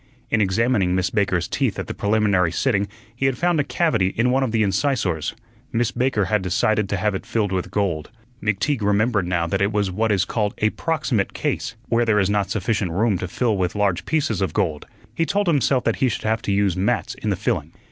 In examining Miss Baker's teeth at the preliminary sitting he had found a cavity in one of the incisors. Miss Baker had decided to have it filled with gold. McTeague remembered now that it was what is called a "proximate case," where there is not sufficient room to fill with large pieces of gold. He told himself that he should have to use "mats" in the filling.